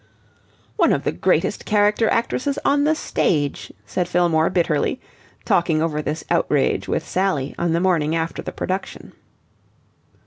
"One of the greatest character actresses on the stage," said Fillmore bitterly, talking over this outrage with Sally on the morning after the production.